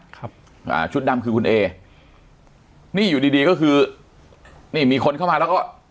ครับอ่าชุดดำคือคุณเอนี่อยู่ดีดีก็คือนี่มีคนเข้ามาแล้วก็